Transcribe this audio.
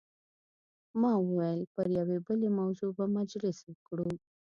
ما وویل پر یوې بلې موضوع به مجلس وکړو.